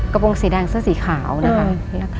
วงสีแดงเสื้อสีขาวนะคะ